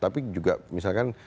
tapi juga misalkan